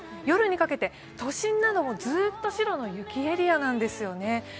夜にかけて都心などもずっと白の雪エリアなんですよね。